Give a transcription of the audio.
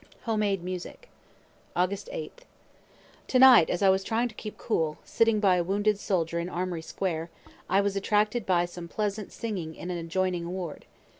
HOME MADE MUSIC August 8th. To night, as I was trying to keep cool, sitting by a wounded soldier in Armory square, I was attracted by some pleasant singing in an adjoining ward.